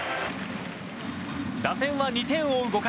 打線は２点を追う５回。